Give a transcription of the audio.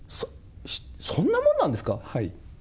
そんなもんなんですか？